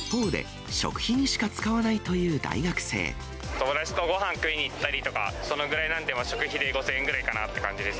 一方で、友達とごはん食いに行ったりとか、そのぐらいなんで、食費で５０００円ぐらいかなっていう感じです。